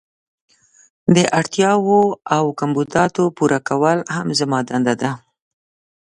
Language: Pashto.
د اړتیاوو او کمبوداتو پوره کول هم زما دنده ده.